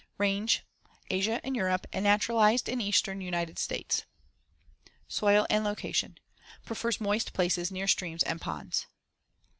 Range: Asia and Europe and naturalized in eastern United States. Soil and location: Prefers moist places near streams and ponds.